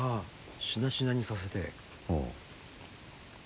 しなしなにさせて。